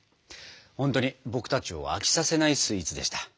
ほんとに僕たちを飽きさせないスイーツでした。